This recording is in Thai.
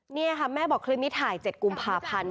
นี่ค่ะแม่บอกคลิปนี้ถ่าย๗กุมภาพันธ์